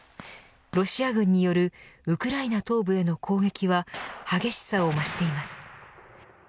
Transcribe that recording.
ロシア軍によるウクライナ東部への攻撃は激しさを増しています。